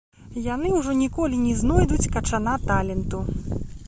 Яны ўжо ніколі не знойдуць качана таленту.